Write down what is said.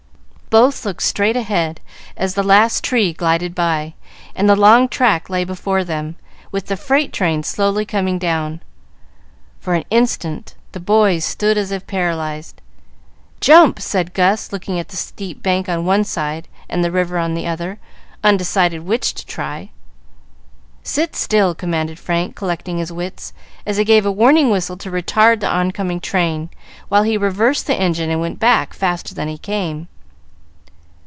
Both looked straight ahead as the last tree glided by, and the long track lay before them, with the freight train slowly coming down. For an instant, the boys stood as if paralyzed. "Jump!" said Gus, looking at the steep bank on one side and the river on the other, undecided which to try. "Sit still!" commanded Frank, collecting his wits, as he gave a warning whistle to retard the on coming train, while he reversed the engine and went back faster than he came.